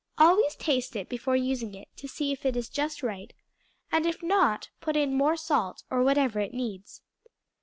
Always taste it before using it, to see if it is just right, and, if not, put in more salt, or whatever it needs.